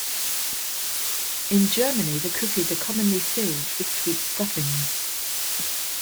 In Germany, the cookies are commonly filled with sweet stuffings.